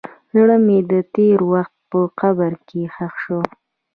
زړه مې د تېر وخت په قبر کې ښخ شو.